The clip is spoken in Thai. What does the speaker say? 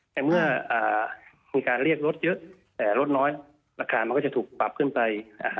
แต่เมื่อมีการเรียกรถเยอะแต่รถน้อยราคามันก็จะถูกปรับขึ้นไป